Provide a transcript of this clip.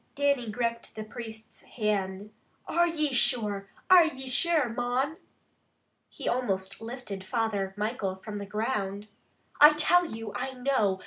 Dannie gripped the priest's hand. "Are ye sure? Are ye sure, mon?" He almost lifted Father Michael from the ground. "I tell you, I know!